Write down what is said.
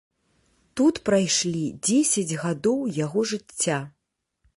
Тут прайшлі дзесяць гадоў яго жыцця.